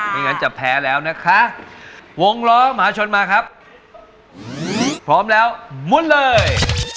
ไม่งั้นจะแพ้แล้วนะคะวงล้อมหาชนมาครับพร้อมแล้วมุนเลย